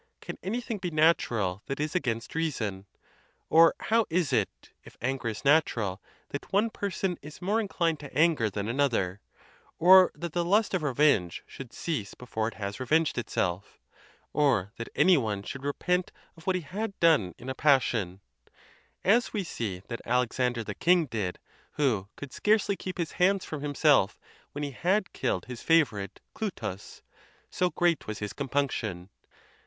Can anything be natural that is against reason ? or how is it, if anger is natural, that one person is more inclined to anger than another ? or that the lust of revenge should cease before it has revenged itself? or that any one 1 These verses are from the Atreus of Accius. ON OTHER PERTURBATIONS OF THE MIND. 161 should repent of what he had done in a passion ? as we see that Alexander the king did, who could scarcely keep his hands from himself, when he had killed his favorite Cly tus, so great was his compunction.